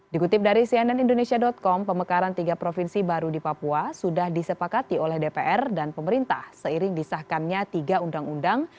dikutip dari cnn indonesia com pemekaran tiga provinsi baru di papua sudah disepakati oleh dpr dan pemerintah seiring disahkannya tiga undang undang